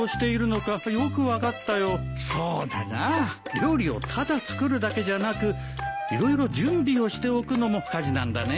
料理をただ作るだけじゃなく色々準備をしておくのも家事なんだね。